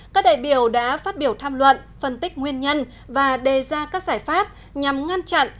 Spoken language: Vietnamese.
các đại biểu đã phát biểu tham luận phân tích nguyên nhân và đề ra các giải pháp nhằm ngăn chặn